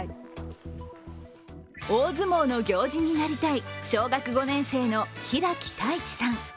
大相撲の行司になりたい小学５年生の平木太智さん。